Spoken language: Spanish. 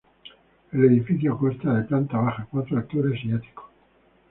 El edificio consta de planta baja, cuatro alturas y ático.